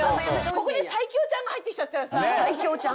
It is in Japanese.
ここでサイキョウちゃんが入ってきちゃったらさ。